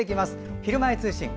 「ひるまえ通信」。